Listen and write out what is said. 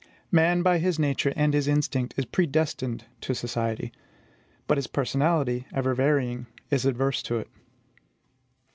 Man, by his nature and his instinct, is predestined to society; but his personality, ever varying, is adverse to it.